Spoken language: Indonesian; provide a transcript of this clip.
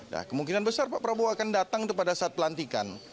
nah kemungkinan besar pak prabowo akan datang pada saat pelantikan